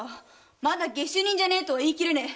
まだ下手人じゃないと言い切れねえ。